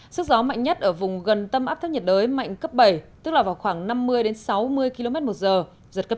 sức gió mạnh nhất ở vùng gần tâm áp thấp nhiệt đới mạnh cấp bảy tức là vào khoảng năm mươi sáu mươi km một giờ giật cấp chín